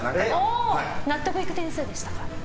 納得いく点数でしたか？